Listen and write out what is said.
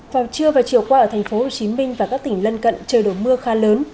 vào trưa và chiều qua ở thành phố hồ chí minh và các tỉnh lân cận trời đổ mưa khá lớn